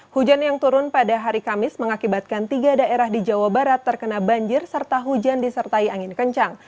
hujan yang turun pada hari kamis mengakibatkan tiga daerah di jawa barat terkena banjir serta hujan disertai angin kencang